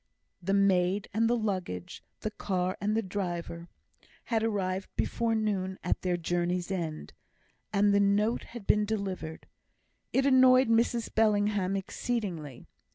The maid and the luggage, the car and the driver, had arrived before noon at their journey's end, and the note had been delivered. It annoyed Mrs Bellingham exceedingly.